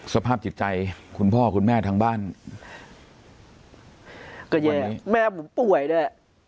สภาพจิตใจคุณพ่อคุณแม่ทั้งบ้านก็แย่แม่ผมป่วยด้วย